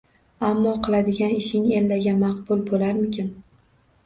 Ammo qiladigan ishing Ellaga maqbul bo`larmikin